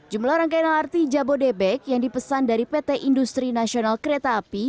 jumlah rangkaian lrt jabodebek yang dipesan dari pt industri nasional kereta api